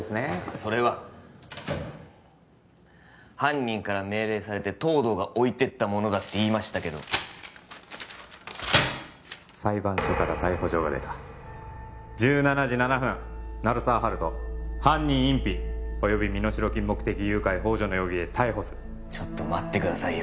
それは犯人から命令されて東堂が置いてったものだって言いましたけど裁判所から逮捕状が出た１７時７分鳴沢温人犯人隠避および身代金目的誘拐ほう助の容疑で逮捕するちょっと待ってくださいよ